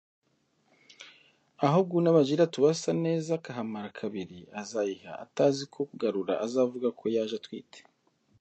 Ahuwo uu na Virijiniya tuasa naza akahamara kairi azayiha atazi uko tugaura azavuga ko yaje atwite